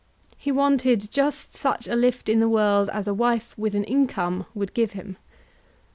He wanted just such a lift in the world as a wife with an income would give him.